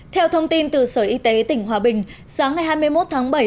theo thông tin từ sở y tế tỉnh hòa bình sáng ngày hai mươi một tháng bảy